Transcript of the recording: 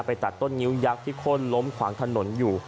ตัดต้นงิ้วยักษ์ที่ข้นล้มขวางถนนอยู่